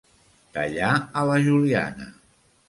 Tallar a la juliana.